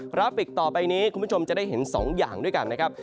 ราฟิกต่อไปนี้คุณผู้ชมจะได้เห็น๒อย่างด้วยกันนะครับ